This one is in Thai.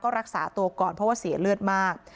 รักษาตัวก่อนเพราะว่าเสียเลือดมาก